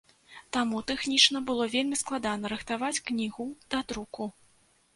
Таму тэхнічна было вельмі складана рыхтаваць кнігу да друку.